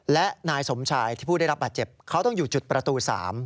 และนายสมชายที่ผู้ได้รับบาดเจ็บเขาต้องอยู่จุดประตู๓